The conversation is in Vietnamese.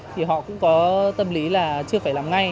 thì họ cũng có tâm lý là chưa phải làm ngay